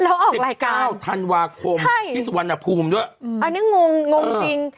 แล้วออก๑๙ธันวาคมที่สุวรรณภูมิด้วยอันนี้งงงจริง